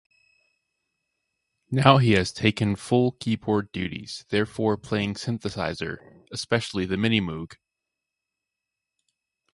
Now he has taken full keyboard duties, therefore playing synthesiser, especially the Minimoog.